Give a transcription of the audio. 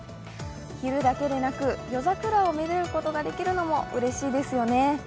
昼だけでなく夜桜をめでることができるのもうれしいですよね。